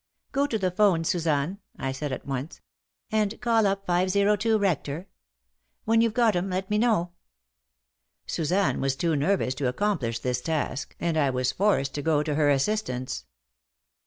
"Go to the 'phone, Suzanne," I said at once, "and call up 502, Rector. When you've got 'em, let me know." Suzanne was too nervous to accomplish this task, and I was forced to go to her assistance.